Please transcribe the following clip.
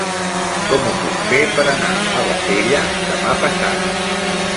Com ho puc fer per anar a Bassella demà passat?